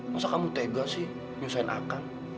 masa kamu tega sih nyusahin akan